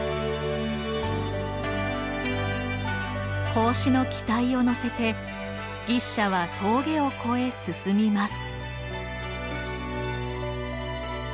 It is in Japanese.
孔子の期待を乗せて牛車は峠を越え進みます。